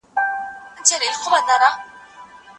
له امام احمد رحمه الله څخه څو روایتونه را نقل سوي دي؟